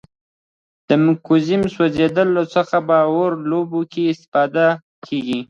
د مګنیزیم سوځیدلو څخه په اور لوبو کې استفاده کیږي.